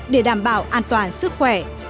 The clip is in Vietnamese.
để đảm bảo an toàn sức khỏe